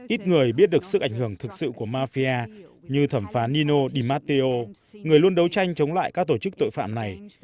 ít người biết được sức ảnh hưởng thực sự của mafia như thẩm phá nino di matteo người luôn đấu tranh chống lại các tổ chức tội phạm này